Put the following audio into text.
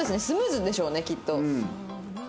スムーズでしょうねきっと。